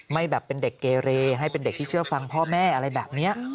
ไม่แบบเป็นเด็กเกเรให้เป็นเด็กที่เชื่อฟังพ่อแม่อะไรแบบนี้